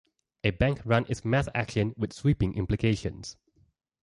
A bank run is mass action with sweeping implications.